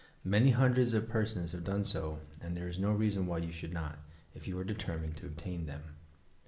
Many hundreds of p»?r8ons have done so and there is no reason why you should not, if you are determined to obtain them.